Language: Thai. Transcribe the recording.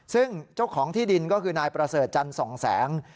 ซึ่งเจ้าของที่ดินก็คือนายประเสริฐจันทร์ส่องแสง